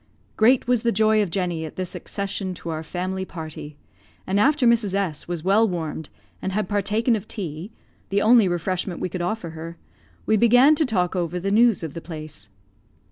Great was the joy of Jenny at this accession to our family party; and after Mrs. S was well warmed, and had partaken of tea the only refreshment we could offer her we began to talk over the news of the place.